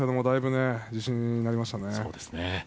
だいぶ自信になりました。